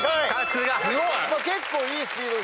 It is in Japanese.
結構いいスピードで。